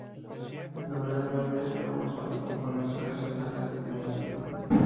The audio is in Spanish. Lo realmente nuevo son las componentes horizontales del movimiento.